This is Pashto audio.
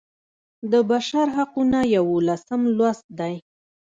د بشر حقونه یوولسم لوست دی.